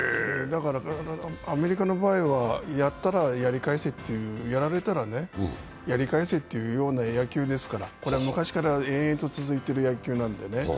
だからアメリカの場合はやったらやり返せという、やられたらやり返せというような野球ですからこれは昔から延々と続いている野球なんでね。